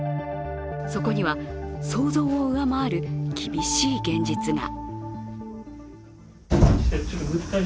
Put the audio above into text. そこには想像を上回る厳しい現実が。